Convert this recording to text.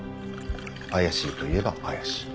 怪しいといえば怪しい。